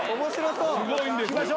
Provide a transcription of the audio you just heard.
すごいんです。